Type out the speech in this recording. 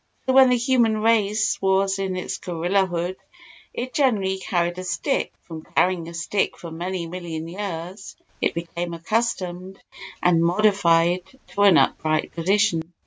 So when the human race was in its gorilla hood it generally carried a stick; from carrying a stick for many million years it became accustomed and modified to an upright position.